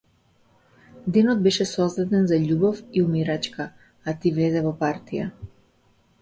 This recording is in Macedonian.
Денот беше создаден за љубов и умирачка, а ти влезе во партија.